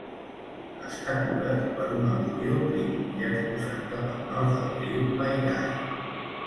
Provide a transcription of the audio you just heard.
Està cobert per un al·luvió prim i exposat cap al nord del riu Vaigai.